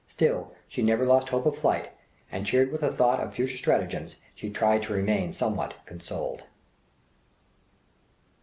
Still, she never lost hope of flight, and cheered with the thought of future stratagem, she tried to remain somewhat consoled.